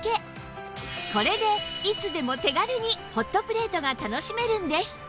これでいつでも手軽にホットプレートが楽しめるんです